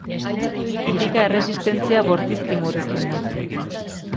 Birika erresistentzia bortizki murrizten da.